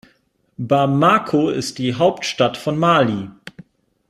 Bamako ist die Hauptstadt von Mali.